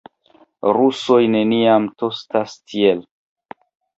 Rusoj neniam tostas tiel.